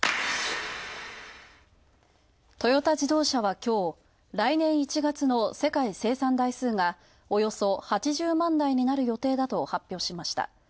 トヨタ自動車はきょう、来年１月の世界生産台数がおよそ８０万代になる予定だと発表しました。